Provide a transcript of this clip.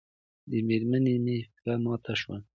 د مېرمنې مې پښه ماته شوې